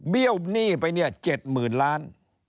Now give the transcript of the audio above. เบี้ยวหนี้ไป๗๐๐๐๐ล้าน